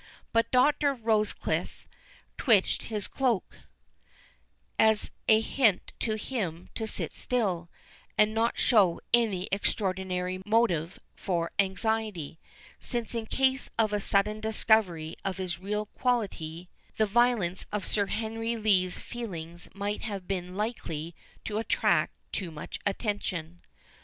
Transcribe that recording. But Dr. Rochecliffe twitched his cloak, as a hint to him to sit still, and not show any extraordinary motive for anxiety, since, in case of a sudden discovery of his real quality, the violence of Sir Henry Lee's feelings might have been likely to attract too much attention.